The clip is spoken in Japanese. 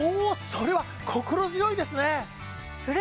それは心強いですね！